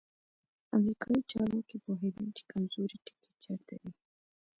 امریکایي چارواکي پوهېدل چې کمزوری ټکی چیرته دی.